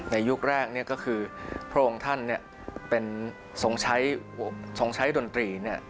ยุคแรกก็คือพระองค์ท่านเป็นทรงใช้ดนตรี